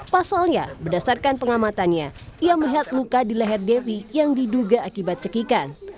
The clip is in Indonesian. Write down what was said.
pasalnya berdasarkan pengamatannya ia melihat luka di leher devi yang diduga akibat cekikan